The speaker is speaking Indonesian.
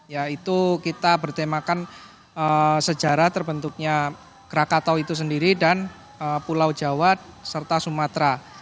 yaitu kita bertemakan sejarah terbentuknya krakatau itu sendiri dan pulau jawa serta sumatera